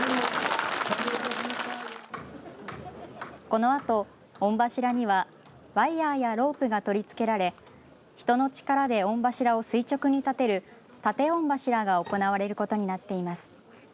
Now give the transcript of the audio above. このあと御柱にはワイヤーやロープが取り付けられ人の力で御柱を垂直に建てる建御柱が行われることになっています。